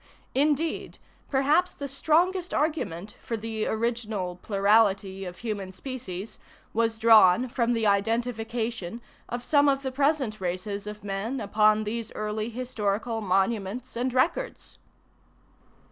Indeed, perhaps the strongest argument for the original plurality of human species was drawn from the identification of some of the present races of men upon these early historical monuments and records.